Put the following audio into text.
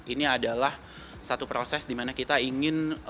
ini adalah satu proses dimana kita ingin